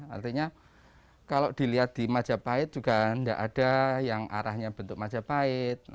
artinya kalau dilihat di majapahit juga tidak ada yang arahnya bentuk majapahit